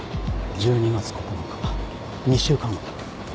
１２月９日２週間後だ